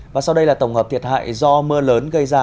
và sau đây là tổng hợp thiệt hại do mưa lớn gây ra